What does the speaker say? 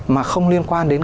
mà không liên quan đến